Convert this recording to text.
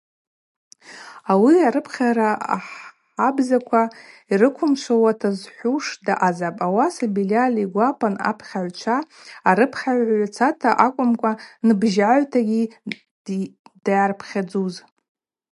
Ауи арыпхьара ахабзаква йрыквымшвауата зхӏвуш даъазапӏ, ауаса Бильаль йгвапан апхьагӏвчва арыпхьагӏвгӏвацата акӏвымкӏва нбжьагӏвтагьи дъарпхьадзуз.